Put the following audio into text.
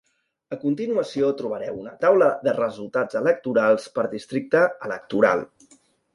A continuació trobareu una taula dels resultats electorals, per districte electoral.